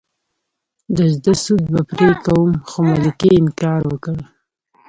د زده سود به پرې کوم خو ملکې انکار وکړ.